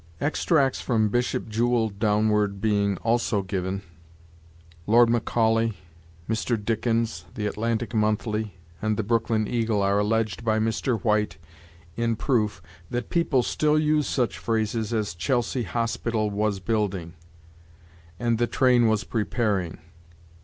"Extracts from Bishop Jewel downward being also given, Lord Macaulay, Mr. Dickens, 'The Atlantic Monthly,' and 'The Brooklyn Eagle' are alleged by Mr. White in proof that people still use such phrases as 'Chelsea Hospital was building,' and 'the train was preparing.'